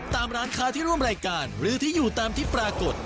ตามร้านค้าที่ร่วมรายการหรือที่อยู่ตามที่ปรากฏ